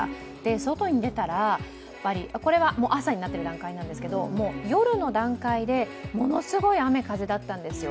外に出たらこれは朝になってる段階なんですがもう夜の段階でものすごい雨風だったんですよ。